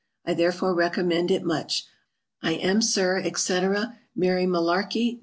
I therefore recommend it much. I am, Sir, &c. MARY MULLARKY. No.